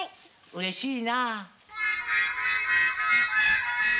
うれしいなぁ。